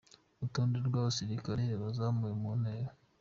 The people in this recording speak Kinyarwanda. Urutonde rw’abasirikare bazamuwe mu ntera ;